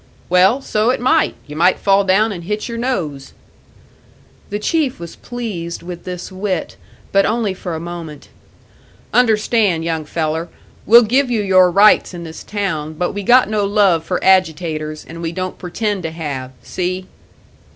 "Well, so it might you might fall down and hit your nose." The Chief was pleased with this wit, but only for a moment. "Understand, young feller, we'll give you your rights in this town, but we got no love for agitators, and we don't pretend to have. See?"